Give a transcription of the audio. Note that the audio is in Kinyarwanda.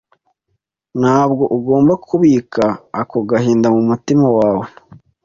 ntabwo ugomba kubika ako gahinda mu mutima wawe.